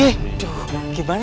aduh gimana nih